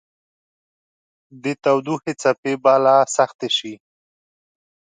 د تودوخې څپې به لا سختې شي